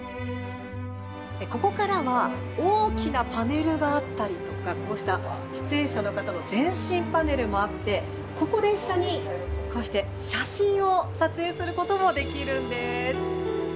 ここからは大きなパネルがあったり出演者の方の全身パネルもあってここで一緒に、こうして写真を撮影することもできるんです。